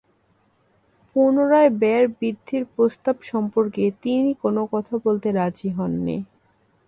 পুনরায় ব্যয় বৃদ্ধির প্রস্তাব সম্পর্কে তিনি কোনো কথা বলতে রাজি হননি।